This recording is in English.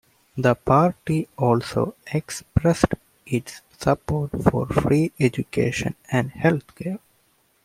The Party also expressed its support for free education and health care.